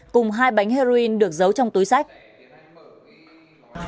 cùng hai bánh heroin được giấu trong túi sách